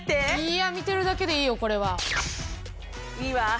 いや見てるだけでいいよこれは。いいわ！